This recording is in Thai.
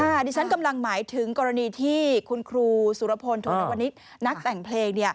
ดิฉันกำลังหมายถึงกรณีที่คุณครูสุรพลธุนวนิษฐ์นักแต่งเพลง